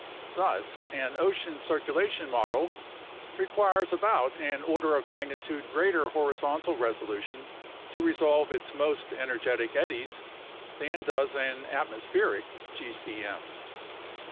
Thus an ocean circulation model requires about an order of magnitude greater horizontal resolution to resolve its most energetic eddies than does an atmospheric gcm.